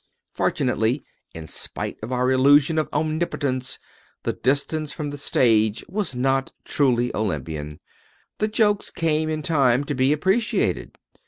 Fortunately, in spite of our illusion of omnipotence, the distance from the stage was not truly Olympian. The jokes came in time to be appreciated.